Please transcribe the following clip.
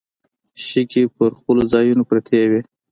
شګې پر خپلو ځايونو پرتې وې.